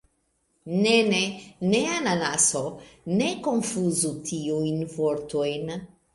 Ne ne. Ne ananaso. Ne konfuzu tiujn vortojn.